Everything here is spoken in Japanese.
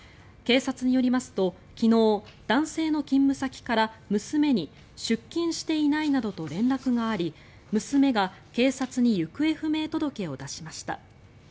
警察によりますと昨日、男性の勤務先から娘に出勤していないなどと連絡があり娘が警察に行方不明届を出しました。